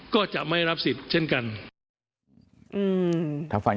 ก็จะไม่รับสิทธิ์เช่นกัน